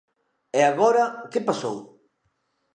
¿E agora que pasou?